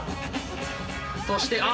そしてあ